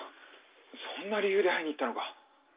そんな理由で会いに行ったのか？